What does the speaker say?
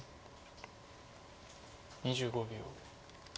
２５秒。